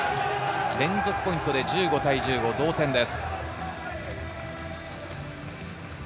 連続ポイントで１５対１５、同点です。